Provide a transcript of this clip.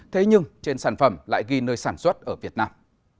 thế nhưng trên sản phẩm lại ghi nơi sản xuất ở việt nam